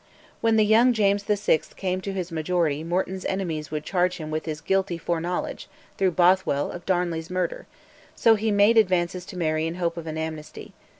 When the young James VI. came to his majority Morton's enemies would charge him with his guilty foreknowledge, through Both well, of Darnley's murder, so he made advances to Mary in hope of an amnesty.